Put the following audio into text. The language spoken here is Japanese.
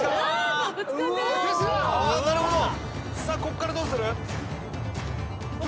さあこっからどうする？